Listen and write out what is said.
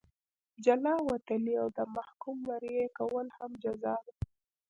جلا وطني او د محکوم مریي کول هم جزا ده.